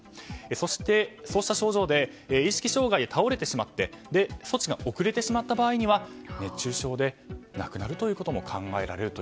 そして、そうした症状で意識障害で倒れてしまって措置が遅れてしまった場合には熱中症で亡くなるということも考えられると。